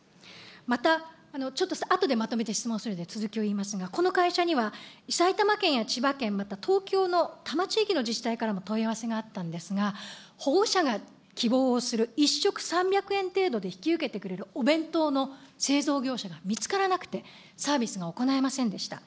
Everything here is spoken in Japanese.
また、ちょっと後でまとめて質問するんで、続きを言いますが、この会社には、埼玉県や千葉県、また東京の多摩地域の自治体からも問い合わせがあったんですが、保護者が希望をする、１食３００円程度で引き受けてくれるお弁当の製造業者が見つからなくて、サービスが行えませんでした。